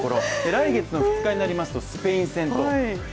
来月の２日になりますとスペイン戦と。